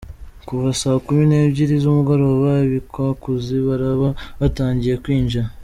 Kuva Saa kumi n'ebyiri z'umugoroba ab'inkwakuzi baraba batangiye kwinjira.